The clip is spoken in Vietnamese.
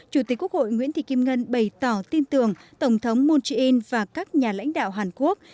chủ tịch quốc hội nguyễn thị kim ngân bày tỏ tin tưởng tổng thống moon jae in và các nhà lãnh đạo hàn quốc